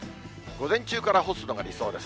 午前中から干すのが理想です。